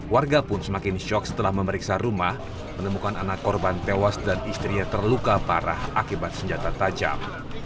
warga pun semakin syok setelah memeriksa rumah menemukan anak korban tewas dan istrinya terluka parah akibat senjata tajam